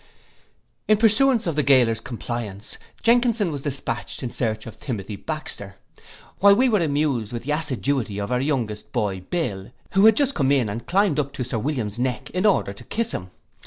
In pursuance of the gaoler's compliance, Jenkinson was dispatched in search of Timothy Baxter, while we were amused with the assiduity of our youngest boy Bill, who had just come in and climbed up to Sir William's neck in order to kiss him.